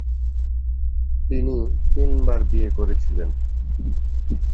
তিনি তিনবার বিয়ে করেছিলেন।